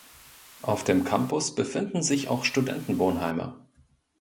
Auf dem Campus befinden sich auch Studentenwohnheime.